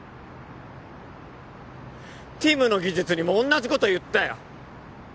ティムの技術にもおんなじこと言ったよ！